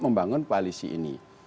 membangun koalisi ini